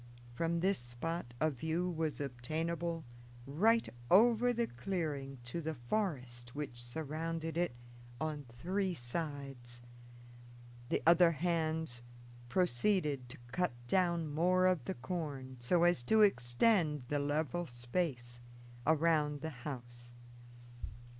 From this spot a view was obtainable right over the clearing to the forest which surrounded it on three sides. The other hands proceeded to cut down more of the corn, so as to extend the level space around the house.